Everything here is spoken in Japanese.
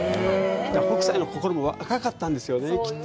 北斎の心も若かったんですよね、きっと。